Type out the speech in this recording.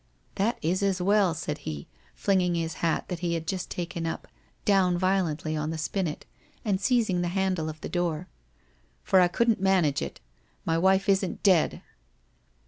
' That is as well !' said he, flinging his hat that he had just taken up down violently on the spinet and seizing the handle of the door. ' For I couldn't manage it. My wife isn't dead.'